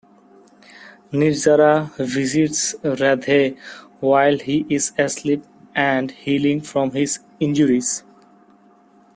Nirjara visits Radhe while he is asleep and healing from his injuries.